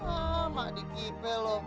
ah mak dikipe lo